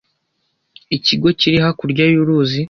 Ikigo kiri hakurya y'uruzi.